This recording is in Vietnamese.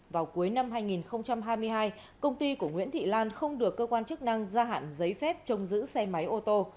vào cuối năm hai nghìn hai mươi hai công ty của nguyễn thị lan không được cơ quan chức năng gia hạn giấy phép trông giữ xe máy ô tô